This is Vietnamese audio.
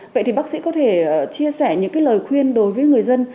vậy thì bác sĩ có thể chia sẻ những lời khuyên đối với người dân